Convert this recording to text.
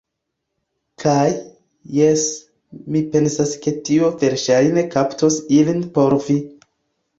Kaj... jes, mi pensas ke tio verŝajne kaptos ilin por vi.